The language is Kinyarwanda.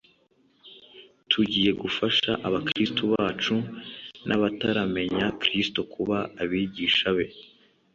tugiye gufasha Abakristo bacu n’abataramenya Kristo kuba abigisha be